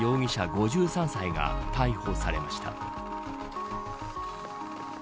５３歳が逮捕されました。